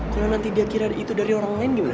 kalau nanti dia kira itu dari orang lain gimana